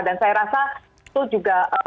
dan saya rasa itu juga